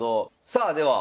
さあでは！